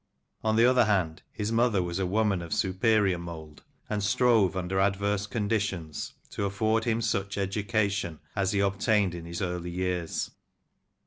On the other hand, his mother was a woman of superior mould, and strove, under adverse conditions, to afford him such education as he obtained in his early years.